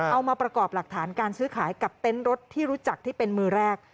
เอามาประกอบหลักฐานการซื้อขายกับเต็นต์รถที่รู้จักที่เป็นมือแรก